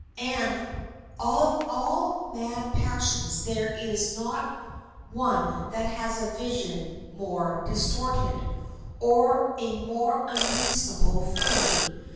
And of all mad passions there is not one that has a vision more distorted or a more unreasonable fury.